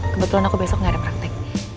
kebetulan aku besok gak ada praktek